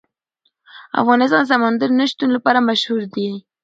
افغانستان د سمندر نه شتون لپاره مشهور دی.